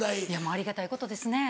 ありがたいことですね。